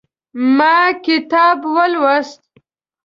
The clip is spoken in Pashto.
ما کتاب ولوست